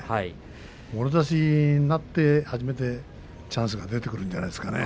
もろ差しになって初めてチャンスが出てくるんじゃないでしょうか。